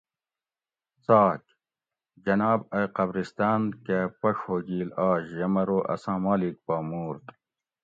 څاک: جناب ائ قبرستان کہ پڛ ہوگیل آش یہ مرو اساں مالک پا مورت